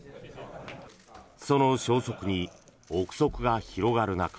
その消息に臆測が広がる中